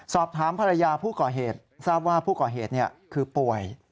สอบถามภรรยาผู้ก่อเหตุทราบว่าผู้ก่อเหตุคือป่วย